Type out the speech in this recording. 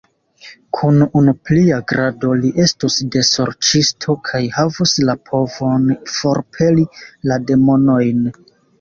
Kun unu plia grado, li estus desorĉisto kaj havus la povon forpeli la demonojn!